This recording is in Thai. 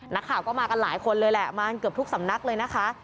นักข่าวก็มากันหลายคนเลยแหละมาเกือบทุกสำนักเลยนะคะ